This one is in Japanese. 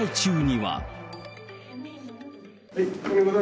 はい。